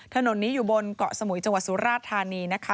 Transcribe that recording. ถนนนี้อยู่บนเกาะสมุยจังหวัดสุราชธานีนะคะ